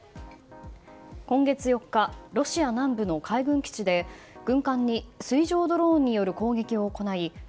今月４日ロシア南部の海軍基地で軍艦に水上ドローンによる攻撃を行い